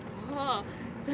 そう。